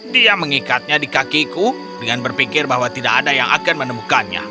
dia mengikatnya di kakiku dengan berpikir bahwa tidak ada yang akan menemukannya